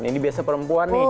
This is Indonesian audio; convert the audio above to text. ini biasa perempuan nih